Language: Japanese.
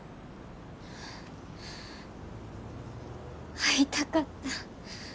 会いたかった。